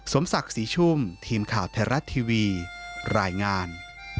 โปรดติดตามตอนต่อไป